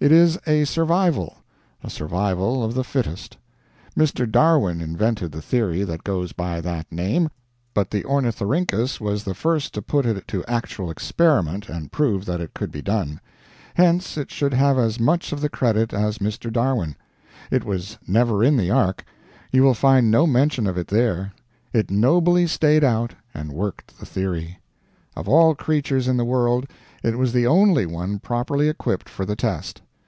"It is a survival a survival of the fittest. Mr. Darwin invented the theory that goes by that name, but the Ornithorhynchus was the first to put it to actual experiment and prove that it could be done. Hence it should have as much of the credit as Mr. Darwin. It was never in the Ark; you will find no mention of it there; it nobly stayed out and worked the theory. Of all creatures in the world it was the only one properly equipped for the test.